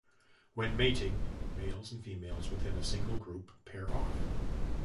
When mating, males and females within a single group pair off.